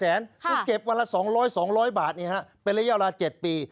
คือเก็บวันละ๒๐๐๒๐๐บาทเป็นระยะเวลา๗ปี